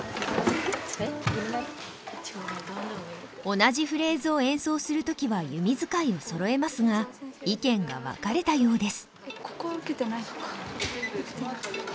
同じフレーズを演奏する時は弓使いをそろえますが意見が分かれたようです。